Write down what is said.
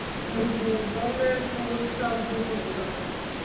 Nubugome bwubusa bwubusa